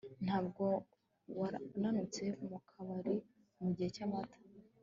Ntabwo wamanutse mukabari mugihe cyamata